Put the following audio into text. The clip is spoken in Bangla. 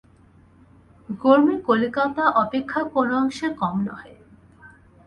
গরমি কলিকাতা অপেক্ষা কোন অংশে কম নহে।